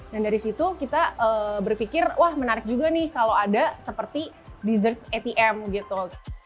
dan dari situ kita berpikir wah menarik juga nih kalau ada seperti desserts atm gitu